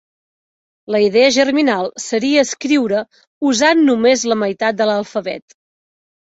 La idea germinal seria escriure usant només la meitat de l'alfabet.